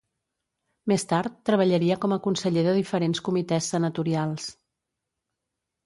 Més tard treballaria com a conseller de diferents comitès senatorials.